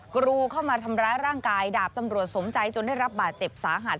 กรูเข้ามาทำร้ายร่างกายดาบตำรวจสมใจจนได้รับบาดเจ็บสาหัส